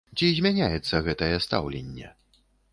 Ці змяняецца гэтае стаўленне?